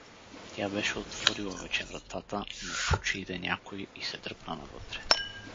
Тя беше отворила вече вратата, но чу, че иде някой, и се дръпна навътре.